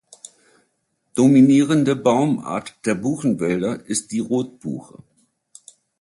Dominierende Baumart der Buchenwälder ist die Rotbuche.